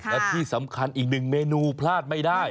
และที่สำคัญอีกหนึ่งเมนูพลาดไม่ได้